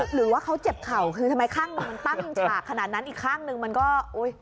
หรือว่าเขาเจ็บเข่าคือทำไมข้างหนึ่งมันตั้งฉากขนาดนั้นอีกข้างหนึ่งมันก็อุ๊ย